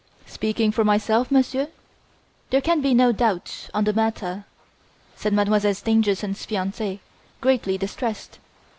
"Speaking for myself, Monsieur, there can be no doubt on the matter," said Mademoiselle Stangerson's fiance, greatly distressed.